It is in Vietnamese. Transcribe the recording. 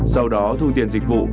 sau đó thu tiền dịch vụ